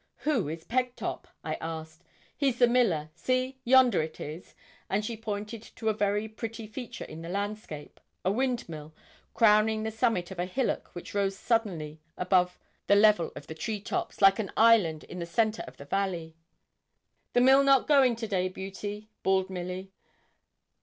'Who is Pegtop?' I asked. 'He's the miller see, yonder it is,' and she pointed to a very pretty feature in the landscape, a windmill, crowning the summit of a hillock which rose suddenly above the level of the treetops, like an island in the centre of the valley. 'The mill not going to day, Beauty?' bawled Milly.